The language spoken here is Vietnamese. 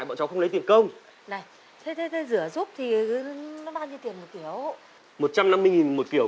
mà lại có một trăm năm mươi một kiểu